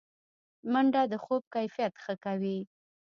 منډه د خوب کیفیت ښه کوي